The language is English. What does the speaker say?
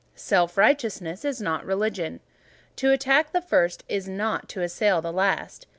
Self righteousness is not religion. To attack the first is not to assail the last.